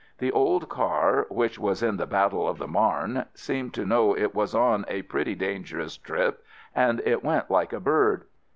The old car (which was in the battle of the Marne) seemed to know it was on a pretty dangerous trip and it went like a bird.